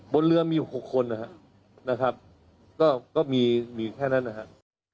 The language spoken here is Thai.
บนเรือมีอยู่๖คนนะครับก็มีมีแค่นั้นนะครับ